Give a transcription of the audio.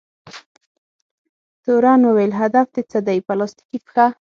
تورن وویل: هدف دې څه دی؟ پلاستیکي پښه؟